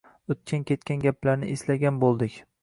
Oʻtgan-ketgan gaplarni eslagan boʻldik.